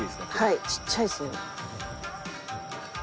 はいちっちゃいですね。